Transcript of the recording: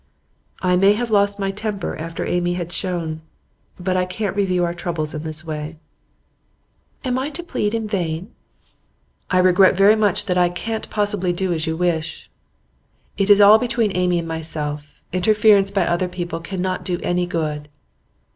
'I may have lost my temper after Amy had shown But I can't review our troubles in this way.' 'Am I to plead in vain?' 'I regret very much that I can't possibly do as you wish. It is all between Amy and myself. Interference by other people cannot do any good.